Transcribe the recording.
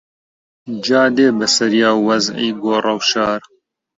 جا دێ بەسەریا وەزعی گۆڕەوشار